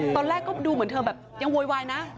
ตอนแรกก็ดูเหมือนเธอแบบยังโวยวายนะ